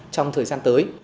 trong thời gian tới